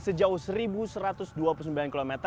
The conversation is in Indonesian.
sejauh seribu satu ratus dua puluh sembilan km